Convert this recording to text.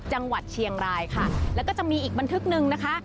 จังหวัดเชียงรายค่ะแล้วก็จะมีอีกบันทึกหนึ่งนะคะ